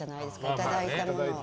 いただいたものを。